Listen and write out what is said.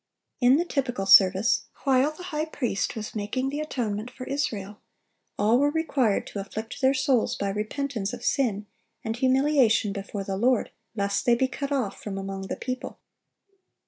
In the typical service, while the high priest was making the atonement for Israel, all were required to afflict their souls by repentance of sin and humiliation before the Lord, lest they be cut off from among the people.